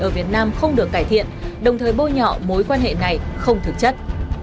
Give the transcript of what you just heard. ở việt nam không được cải thiện đồng thời bôi nhọ mối quan hệ này không thực chất